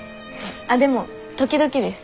あっでも時々です。